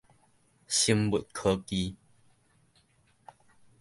生物科技